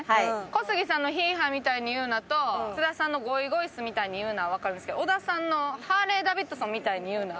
小杉さんの「ヒーハーみたいに言うな！」と津田さんの「ゴイゴイスーみたいに言うな！」はわかるんですけど小田さんの「ハーレーダビッドソンみたいに言うな！」